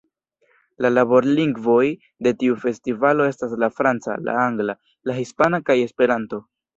La laborlingvoj de tiu festivalo estas la franca, la angla, la hispana kaj Esperanto.